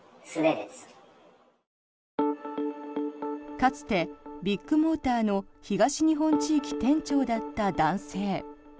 かつてビッグモーターの東日本地域店長だった男性。